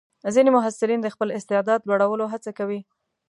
ځینې محصلین د خپل استعداد لوړولو هڅه کوي.